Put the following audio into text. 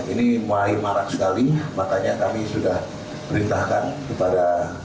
ini main marak sekali makanya kami sudah perintahkan kepada